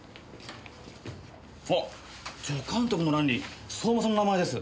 あっ助監督の欄に相馬さんの名前です。